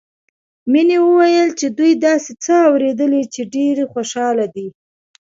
مينې وويل چې دوي داسې څه اورېدلي چې ډېرې خوشحاله دي